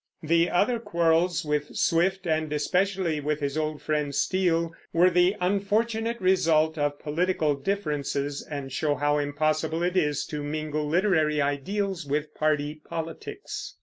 The other quarrels with Swift, and especially with his old friend Steele, were the unfortunate result of political differences, and show how impossible it is to mingle literary ideals with party politics.